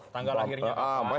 tanggal lahirnya apaan